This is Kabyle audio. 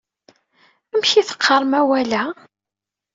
Amek ay d-teqqarem awal-a?